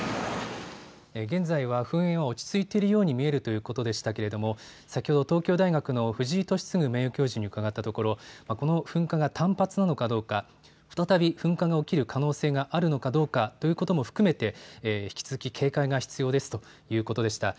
現在は噴煙は落ち着いているように見えるということでしたけれども先ほど東京大学の藤井敏嗣名誉教授に伺ったところこの噴火が単発なのかどうか再び噴火が起きる可能性があるのかどうかということも含めて引き続き警戒が必要ですということでした。